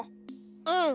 うん。